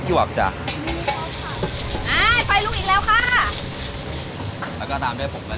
หมึกกุ้งจ้ะที่เราใส่ลงไปในข้าวผัดนะคะ